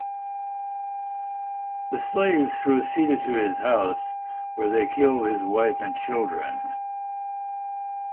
The slaves proceeded to his house where they killed his wife and children.